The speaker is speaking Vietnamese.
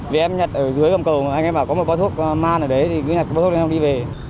vì em nhặt ở dưới cầm cầu anh em bảo có một báo thuốc man ở đấy thì cứ nhặt cái báo thuốc này không đi về